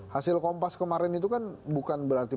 hasil kompas kemarin itu kan bukan berarti